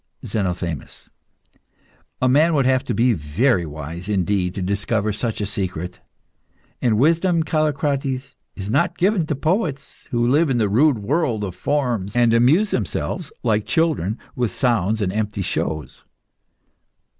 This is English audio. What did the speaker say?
ZENOTHEMIS. A man would have to be very wise indeed to discover such a secret. And wisdom, Callicrates, is not given to poets, who live in the rude world of forms and amuse themselves, like children, with sounds and empty shows.